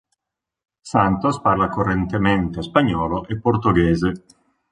Santos parla correntemente spagnolo e portoghese.